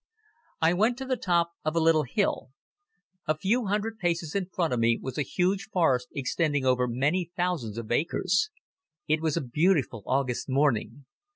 I went to the top of a little hill. A few hundred paces in front of me was a huge forest extending over many thousands of acres. It was a beautiful August morning.